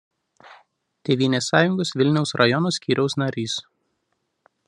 Tėvynės sąjungos Vilniaus rajono skyriaus narys.